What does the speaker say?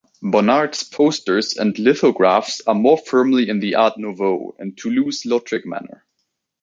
Bonnard's posters and lithographs are more firmly in the Art Nouveau, or Toulouse-Lautrec manner.